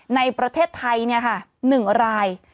ในประเทศไทยเนี่ยค่ะ๑ราย